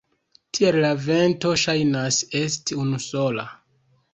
Tial la vento ŝajnas esti unusola.